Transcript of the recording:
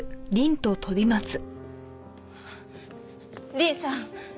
凛さん。